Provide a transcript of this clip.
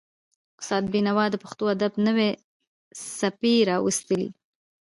استاد بینوا د پښتو ادب نوې څپې راوستلې.